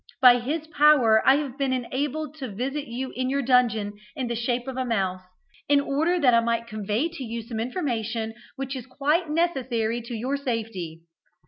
By his power I have been enabled to visit you in your dungeon in the shape of a mouse, in order that I might convey to you some information which is quite necessary to your safety."